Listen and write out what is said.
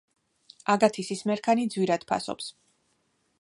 აგათისის მერქანი ძვირად ფასობს.